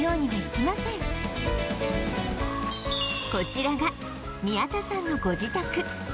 こちらが宮田さんのご自宅